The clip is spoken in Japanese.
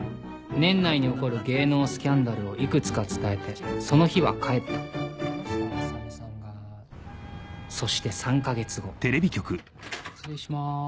年内に起こる芸能スキャンダルをいくつか伝えてその日は帰ったそして３か月後失礼します。